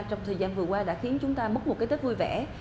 trong thời gian vừa qua đã khiến chúng ta mất một cái tết vui vẻ